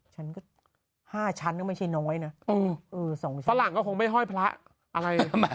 ใช่ใช่ไม่ได้ตรองแบบตึกลงมาเลย